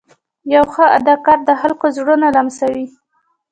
یو ښه اداکار د خلکو زړونه لمسوي.